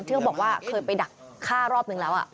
เขาบอกว่าเคยไปดักฆ่ารอบนึงแล้ว